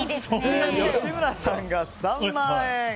吉村さんが３万円。